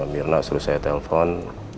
mirna suruh saya telpon